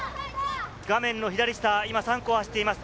画面の左下、３区を走っています。